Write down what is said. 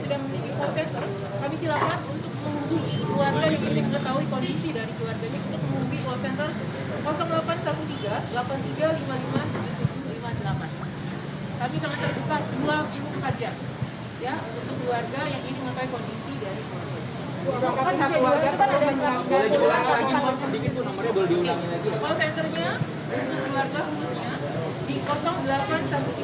dan juga kami sedang memiliki kompensi kami silakan untuk mengunggih keluarga yang ingin mengetahui kondisi dari keluarganya untuk mengunggih kompensi delapan ratus tiga belas delapan ribu tiga ratus lima puluh lima tujuh ratus lima puluh delapan